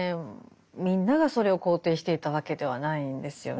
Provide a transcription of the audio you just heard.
みんながそれを肯定していたわけではないんですよね。